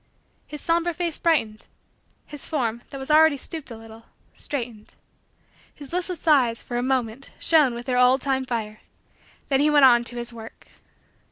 His somber face brightened. His form, that was already stooped a little, straightened. His listless eyes, for a moment, shone with their old time fire. Then he went on to his work.